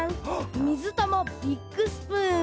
みずたまビッグスプーン。